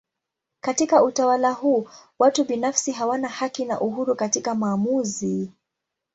Katika utawala huu watu binafsi hawana haki na uhuru katika maamuzi.